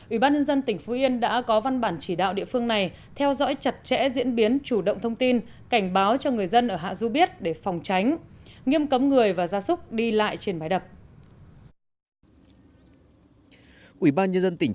ubnd tỉnh phú yên đã có văn bản chỉ đạo địa phương này theo dõi chặt chẽ diễn biến chủ động thông tin cảnh báo cho người dân ở hạ du biết để phòng tránh nghiêm cấm người và gia súc đi lại trên mái đập